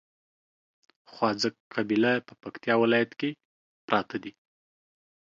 خواځک قبيله په پکتیا ولايت کې پراته دي